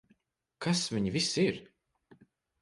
Kas viņi visi ir?